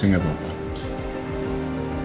enggak sih gak apa apa mas